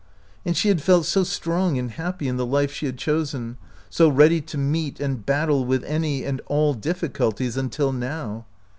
And she had felt so strong and happy in the life she had chosen, so ready to meet and battle with any and all difficulties until now!